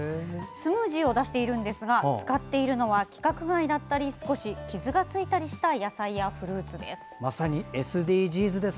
スムージーを出しているんですが使っているのは、規格外だったり少し傷がついたりした野菜やフルーツです。